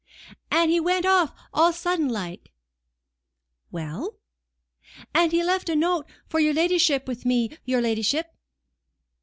"And he went off all on a sudden like." "Well?" "And he left a note for your ladyship with me, your ladyship."